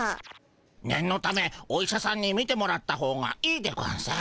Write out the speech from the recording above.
ねんのためお医者さんにみてもらったほうがいいでゴンス。